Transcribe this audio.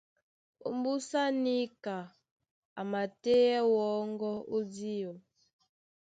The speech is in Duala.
Ómbúsá níka a matéɛ́ wɔ́ŋgɔ́ ó díɔ.